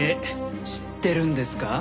知ってるんですか？